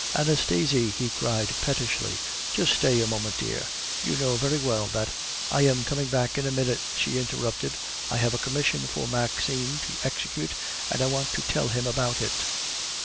"Anastasie!" he cried pettishly, "just stay a moment, dear; you know very well that " "I am coming back in a minute," she interrupted; "I have a commission for Maxime to execute, and I want to tell him about it."